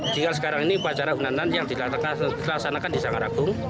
jika sekarang ini upacara unan unan yang dilaksanakan di sanggar agung